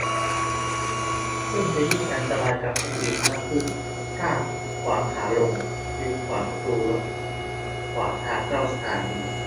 ซึ่งจะยิ่งอันตรายกับคนอื่นมากขึ้นถ้าขวางขาลง ยืนขวางประตูรถ ขวางทางเข้าสถานี